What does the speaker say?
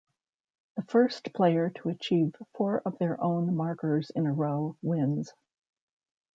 The first player to achieve four of their own markers in a row wins.